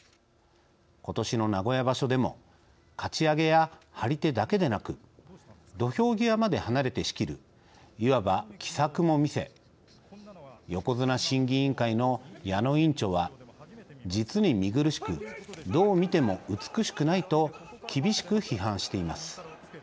ことしの名古屋場所でもかち上げや張り手だけでなく土俵際まで離れて仕切るいわば奇策もみせ横綱審議委員会の矢野委員長は「実に見苦しくどう見ても美しくない」と厳しく批判しています。